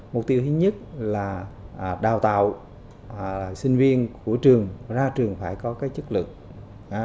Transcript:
mục tiêu thứ nhất là đào tạo sinh viên của trường ra trường phải có cái chất lượng